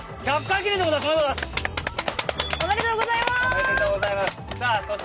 おめでとうございます。